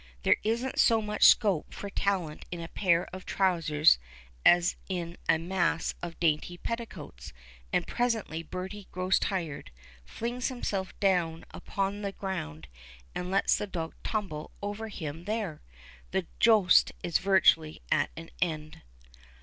There isn't so much scope for talent in a pair of trousers as in a mass of dainty petticoats, and presently Bertie grows tired, flings himself down upon the ground, and lets the dog tumble over him there. The joust is virtually at an end.